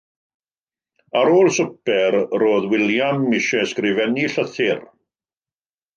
Ar ôl swper, roedd William eisiau ysgrifennu llythyr.